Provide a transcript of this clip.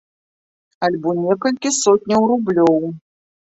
Альбо некалькі сотняў рублёў.